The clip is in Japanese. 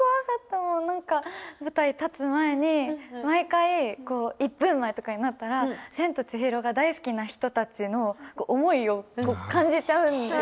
もう何か舞台立つ前に毎回１分前とかになったら「千と千尋」が大好きな人たちの思いを感じちゃうんですよ。